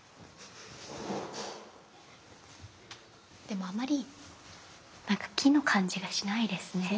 でもあまり木の感じがしないですね。